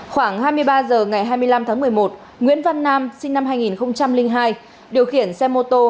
khoảng hai mươi ba h ngày hai mươi năm tháng một mươi một nguyễn văn nam sinh năm hai nghìn hai điều khiển xe mô tô